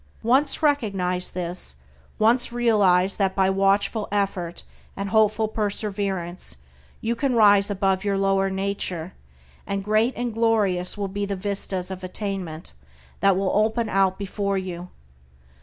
Once recognize this, once realize that by watchful effort and hopeful perseverance you can rise above your lower nature, and great and glorious will be the vistas of attainment that will open out before you.